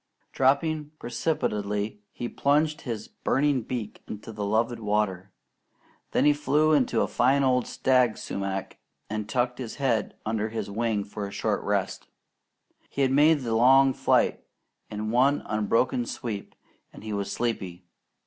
Dropping precipitately, he plunged his burning beak into the loved water; then he flew into a fine old stag sumac and tucked his head under his wing for a short rest. He had made the long flight in one unbroken sweep, and he was sleepy.